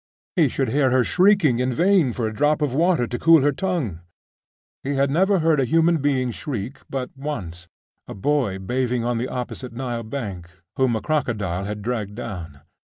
He should hear her shrieking in vain for a drop of water to cool her tongue.... He had never heard a human being shriek but once.... a boy bathing on the opposite Nile bank, whom a crocodile had dragged down....